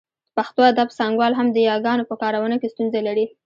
د پښتو ادب څانګوال هم د یاګانو په کارونه کې ستونزه لري